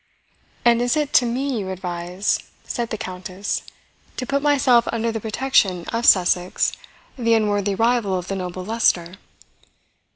"And is it to ME you advise," said the Countess, "to put myself under the protection of Sussex, the unworthy rival of the noble Leicester?"